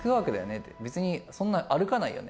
って、別にそんな歩かないよね？